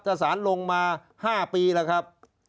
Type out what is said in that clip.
ทศาลลงมา๕ปีแล้วครับ